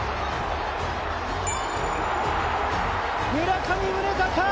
村上宗隆。